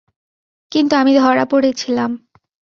কিন্তু আমি ধরা পড়েছিলাম।